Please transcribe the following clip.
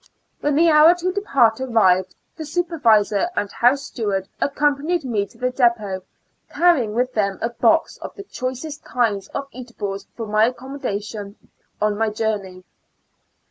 When the hour to depart arrived, the supervisor and house steward accompanied me to the depot, carrying with them a box of the choicest kinds of eatables for my accommodation on my journey.